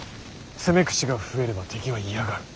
攻め口が増えれば敵は嫌がる。